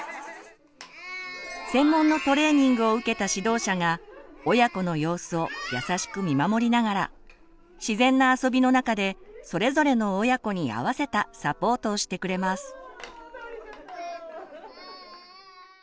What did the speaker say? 専門のトレーニングを受けた指導者が親子の様子を優しく見守りながら自然な遊びの中でそれぞれの親子に合わせたサポートをしてくれます。